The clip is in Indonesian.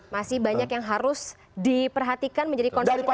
masih banyak yang harus diperhatikan menjadi konsul kita bersama ya